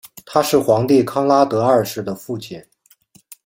他是皇帝康拉德二世的父亲。